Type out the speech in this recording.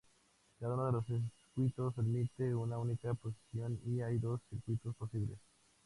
Cada uno de estos circuitos admite una única posición y hay dos circuitos posibles.